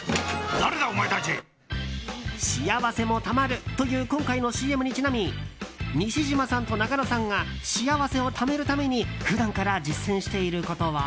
幸せもたまるという今回のＣＭにちなみ西島さんと仲野さんが幸せをためるために普段から実践していることは？